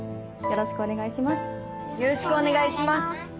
よろしくお願いします。